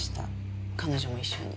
彼女も一緒に。